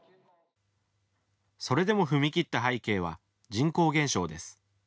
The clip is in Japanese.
それでも踏み切った背景は人口減少です。